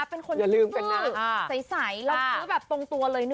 เป็นคนที่สายเราซื้อตรงตัวเลย๑๗